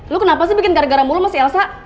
lo kenapa sih bikin gara gara mulu sama si elsa